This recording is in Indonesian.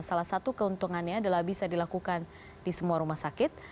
salah satu keuntungannya adalah bisa dilakukan di semua rumah sakit